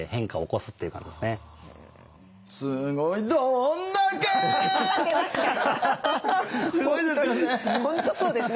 すごいですよね。